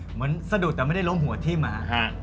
เหมือนสะดุดแต่ไม่ได้ล้มหัวที่หมา